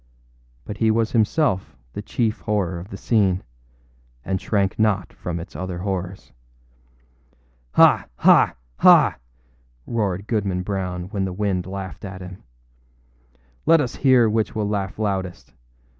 But he was himself the chief horror of the scene, and shrank not from its other horrors. âHa! ha! ha!â roared Goodman Brown when the wind laughed at him. âLet us hear which will laugh loudest.